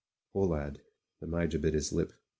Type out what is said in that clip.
"Poor lad." The Major bit his lip.